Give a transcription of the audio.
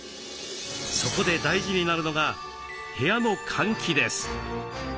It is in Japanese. そこで大事になるのが部屋の換気です。